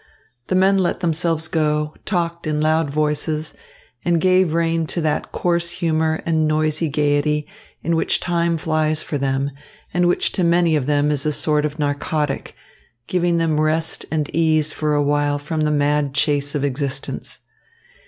The men let themselves go, talked in loud voices, and gave rein to that coarse humour and noisy gaiety in which time flies for them and which to many of them is a sort of narcotic, giving them rest and ease for a while from the mad chase of existence.